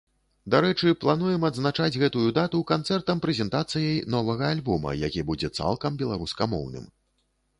Дарэчы, плануем адзначаць гэтую дату канцэртам-прэзентацыяй новага альбома, які будзе цалкам беларускамоўным.